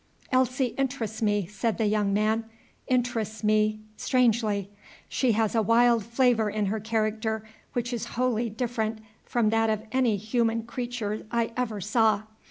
"Elsie interests me," said the young man, "interests me strangely. She has a wild flavor in her character which is wholly different from that of any human creature I ever saw.